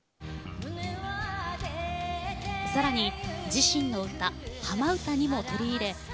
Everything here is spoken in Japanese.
さらに自身の歌「浜唄」にも取り入れ